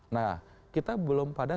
nah kita belum pada